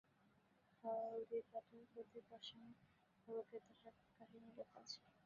হলদিঘাটের প্রতি পাষাণ-ফলকে তাহার কাহিনী লেখা আছে।